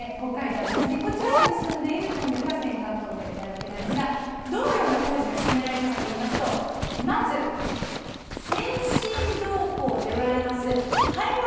こちらを結んでいるトンネルが青函トンネルになるわけなんですがどのような工事が進められたかといいますとまず「先進導坑」といわれますパイロットトンネルを掘るわけなんですね。